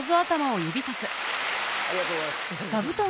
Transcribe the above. ありがとうございます。